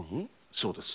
そうです。